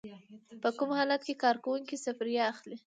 په کوم حالت کې کارکوونکی سفریه اخلي؟